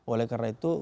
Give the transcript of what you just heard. oleh karena itu